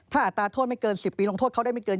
ถ้าอัตราโทษไม่เกิน๑๐ปีลงโทษเขาได้ไม่เกิน